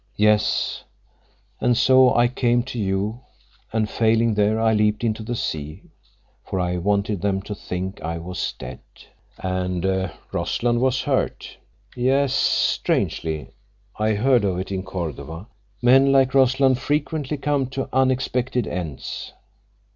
"Yes; and so I came to you, and failing there, I leaped into the sea, for I wanted them to think I was dead." "And Rossland was hurt." "Yes. Strangely. I heard of it in Cordova. Men like Rossland frequently come to unexpected ends."